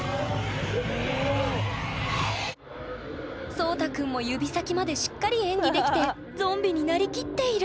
颯太くんも指先までしっかり演技できてゾンビになりきっている！